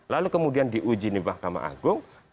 lalu kemudian diuji di mahkamah agung